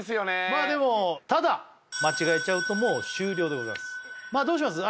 まあでもただ間違えちゃうともう終了でございますどうします？